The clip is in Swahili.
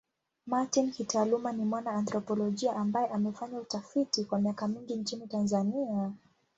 Martin kitaaluma ni mwana anthropolojia ambaye amefanya utafiti kwa miaka mingi nchini Tanzania.